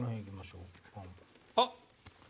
あっ！